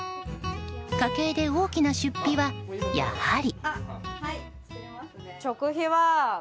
家計で大きな出費は、やはり。